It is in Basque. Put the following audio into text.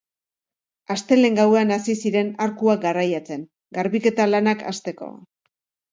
Astelehen gauean hasi ziren arkua garraiatzen, garbiketa lanak hasteko.